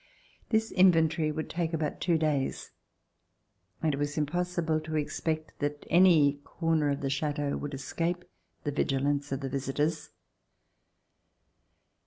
This inventory would take about two days and it was impossible to expect that any corner of the Chateau would escape the vigilance of the visitors.